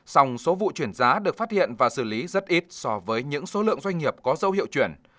song số vụ chuyển giá được phát hiện và xử lý rất ít so với những số lượng doanh nghiệp có dấu hiệu chuyển